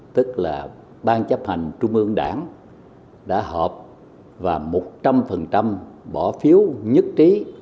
tức là ban chấp hành trung ương đảng đã họp và một trăm linh bỏ phiếu nhất trí